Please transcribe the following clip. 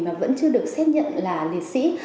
mà vẫn chưa được xét nhận là liệt sĩ